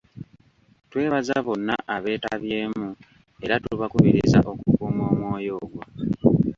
Twebaza bonna abeetabyemu era tubakubiriza okukuuma omwoyo ogwo.